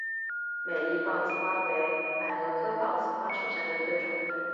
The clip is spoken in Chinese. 美丽豹子花为百合科豹子花属下的一个种。